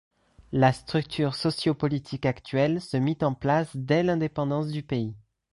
La structure socio-politique actuelle se mit en place dès l'indépendance du pays.